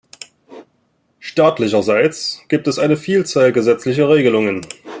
Staatlicherseits gibt es eine Vielzahl gesetzlicher Regelungen.